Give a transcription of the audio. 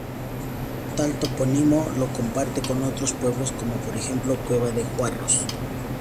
Tal topónimo lo comparte con otros pueblos como por ejemplo Cueva de Juarros.